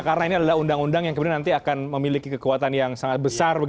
karena ini adalah undang undang yang kemudian nanti akan memiliki kekuatan yang sangat besar